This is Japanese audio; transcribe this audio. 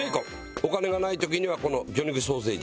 お金がない時にはこの魚肉ソーセージ。